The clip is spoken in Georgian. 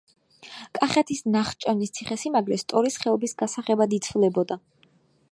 კახეთის ნახჭევნის ციხესიმაგრე სტორის ხეობის გასაღებად ითვლებოდა.